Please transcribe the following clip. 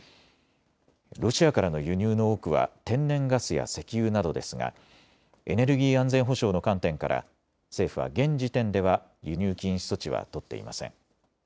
ロシアからの輸入の多くは天然ガスや石油などですがエネルギー安全保障の観点から政府は現時点では輸入禁止措置は取っていません。